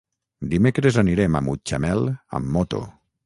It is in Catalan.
Dimecres anirem a Mutxamel amb moto.